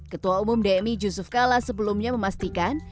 ketua umum dmi yusuf kala sebelumnya memastikan